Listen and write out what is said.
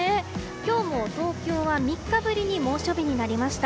今日の東京は３日ぶりに猛暑日になりました。